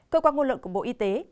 cơ quan ngôn lượng của bộ y tế